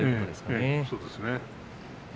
そうですね。